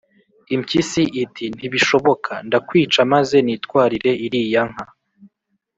Impyisi iti :"Ntibishoboka, ndakwica maze nitwarire iriya nka